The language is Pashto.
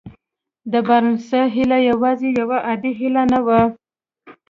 د بارنس هيله يوازې يوه عادي هيله نه وه.